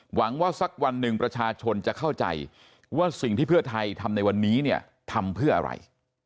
หวังว่าสักวันหนึ่งประชาชนจะเข้าใจว่าสิ่งที่เพื่อไทยทำในวันนี้เนี่ยทำเพื่ออะไร